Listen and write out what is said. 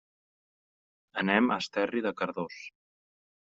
Anem a Esterri de Cardós.